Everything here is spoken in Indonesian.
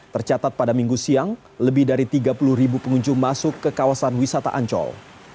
tercatat pada minggu siang lebih dari tiga puluh ribu pengunjung masuk ke kawasan wisata ancol